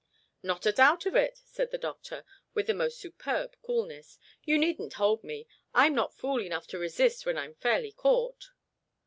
"Not a doubt of it," said the doctor, with the most superb coolness. "You needn't hold me. I'm not fool enough to resist when I'm fairly caught."